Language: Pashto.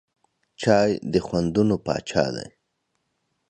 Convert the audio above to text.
چای د خوندونو پاچا دی.